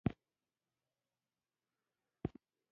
سلطان ولاړ شو.